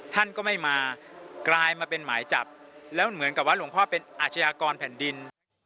ท่านก็ไม่มากลายมาเป็นหมายจับแล้วเหมือนกับว่าหลวงพ่อเป็นอาชญากรแผ่นดิน